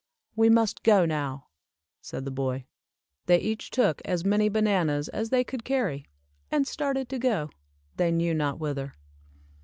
"We must go now," said the boy. They each took as many bananas as they could carry, and started to go, they knew not whither.